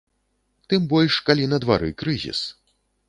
Тым больш, калі на двары крызіс.